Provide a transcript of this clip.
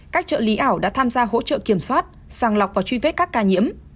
các trợ lý ảo đã tham gia hỗ trợ kiểm soát sàng lọc và truy vết các ca nhiễm